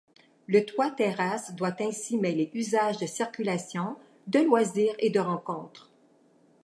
Le toit-terrasse doit ainsi mêler usages de circulation, de loisirs et de rencontres.